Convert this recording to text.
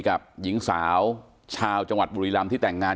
กับหญิงสาวชาวจังหวัดบุรีรำที่แต่งงาน